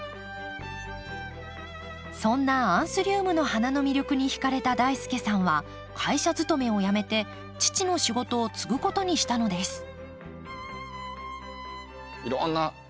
そんなアンスリウムの花の魅力にひかれた大輔さんは会社勤めをやめて父の仕事を継ぐことにしたのです。